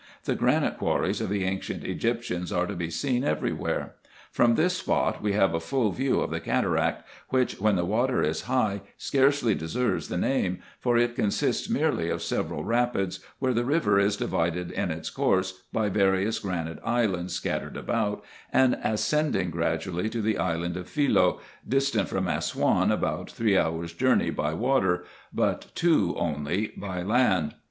The granite quarries of the ancient Egyptians are to be seen every where. From this spot we have a full view of the cataract, which, when the water is high, scarcely deserves the name ; for it consists merely of several rapids, where the river is divided in its course by various granite islands scattered about, and ascending gradually to the island of Philoe, distant from Assouan about three hours' journey by water, but two only by land.